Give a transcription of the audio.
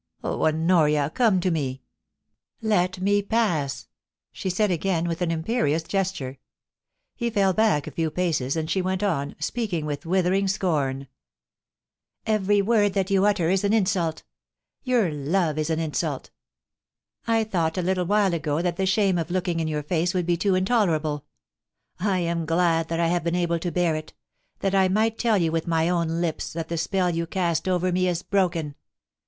Oh, Honoria, come to me !Let me pass/ she said again, with an imperious gesture. He fell back a few paces, and she went on, speaking with withering scorn :* Every word that you utter is an insult Your love is an insult ... I thought a little while ago that the shame of looking in your face would be too intolerable. I am glad that I have been able to bear it — that I might tell you with my own lips that the spell you cast over me is broken.